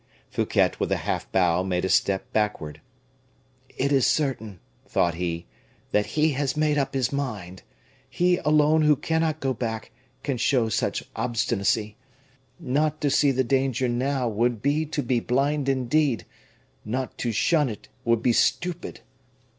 Fouquet, with a half bow, made a step backward. "It is certain," thought he, "that he has made up his mind. He alone who cannot go back can show such obstinacy. Not to see the danger now would be to be blind indeed; not to shun it would be stupid."